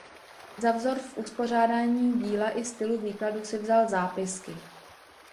Za vzor v uspořádání díla i stylu výkladu si vzal "Zápisky".